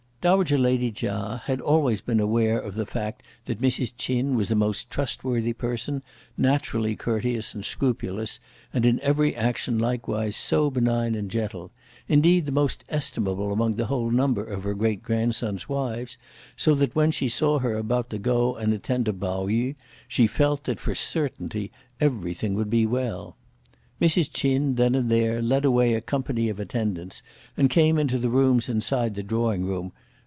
Dowager lady Chia had always been aware of the fact that Mrs. Ch'in was a most trustworthy person, naturally courteous and scrupulous, and in every action likewise so benign and gentle; indeed the most estimable among the whole number of her great grandsons' wives, so that when she saw her about to go and attend to Pao yü, she felt that, for a certainty, everything would be well. Mrs. Ch'in, there and then, led away a company of attendants, and came into the rooms inside the drawing room.